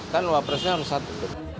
kan luar presnya harus satu